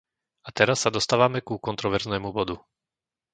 A teraz sa dostávame ku kontroverznému bodu.